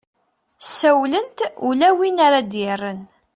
ssawlent ula win ara ad-yerren